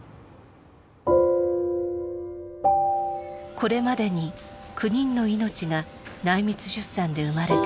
これまでに９人の命が内密出産で生まれています。